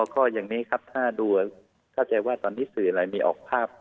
ก็อย่างนี้ครับถ้าดูเข้าใจว่าตอนนี้สื่ออะไรมีออกภาพ